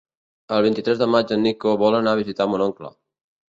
El vint-i-tres de maig en Nico vol anar a visitar mon oncle.